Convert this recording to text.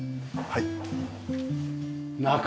はい。